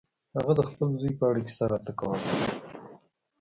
هغه د خپل زوی په اړه کیسه راته کوله.